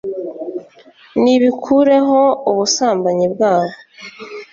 nibikureho ubusambanyi bwabo!